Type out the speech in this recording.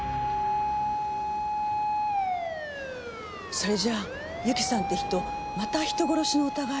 それじゃあ由紀さんって人また人殺しの疑いを？